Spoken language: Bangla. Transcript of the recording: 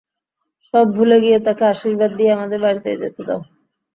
সব ভুলে গিয়ে তাকে আশীর্বাদ দিয়ে আমাদের বাড়িতে যেতে দাও।